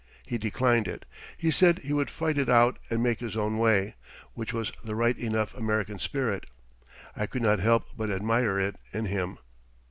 He declined it. He said he would fight it out and make his own way, which was the right enough American spirit. I could not help but admire it in him.